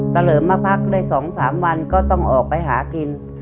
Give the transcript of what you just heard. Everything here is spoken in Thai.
เลิมมาพักได้๒๓วันก็ต้องออกไปหากิน